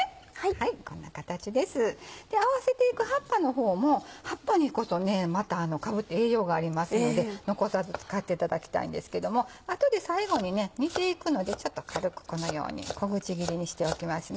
こんな形です合わせていく葉っぱの方も葉っぱにこそかぶは栄養がありますので残さず使っていただきたいんですけども後で最後に煮ていくのでちょっと軽くこのように小口切りにしておきますね。